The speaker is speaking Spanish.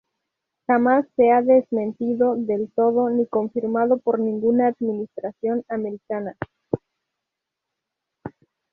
Jamás se ha desmentido del todo ni confirmado por ninguna administración americana.